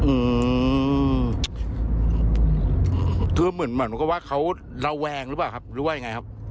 อืมคือเหมือนเหมือนกับว่าเขาระแวงหรือเปล่าครับหรือว่ายังไงครับ